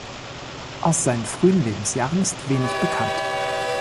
Aus seinen frühen Lebensjahren ist wenig bekannt.